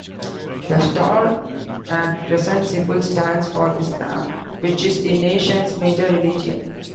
The star and crescent symbol stands for Islam, which is the nation's major religion.